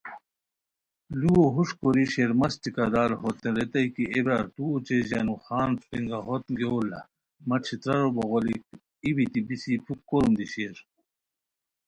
لُوؤ ہوݰ کوری شیرمست ٹھیکہ دار ہوتین ریتائے کی اے برار تو اوچے ژانو خان پنگہوتین گیور لہ، مہ ݯھترارو بوغیلیک، ای بیتی بیسی پُھک کوروم دی شیر